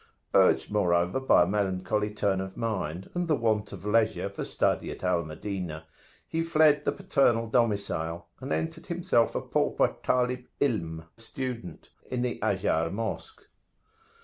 Urged moreover by a melancholy turn of mind, and the want of leisure for study at Al Madinah, he fled the paternal domicile, and entered himself a pauper Talib 'ilm (student) in the Azhar Mosque.